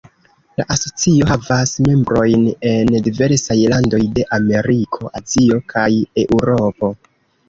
La asocio havas membrojn en diversaj landoj de Ameriko, Azio kaj Eŭropo.